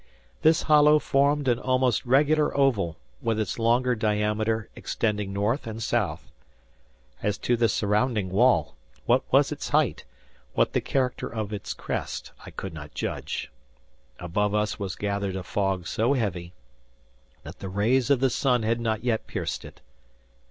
This hollow formed an almost regular oval, with its longer diameter extending north and south. As to the surrounding wall, what was its height, what the character of its crest, I could not judge. Above us was gathered a fog so heavy, that the rays of the sun had not yet pierced it.